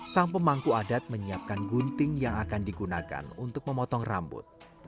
sang pemangku adat menyiapkan gunting yang akan digunakan untuk memotong rambut